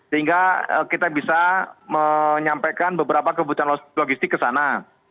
sehingga kita bisa menyampaikan beberapa kebutuhan logistik ke sana